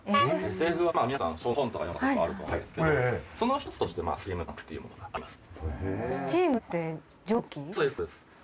ＳＦはまぁ皆さん本とか読んだことあると思うんですけどその一つとしてスチームパンクっていうものがありますね。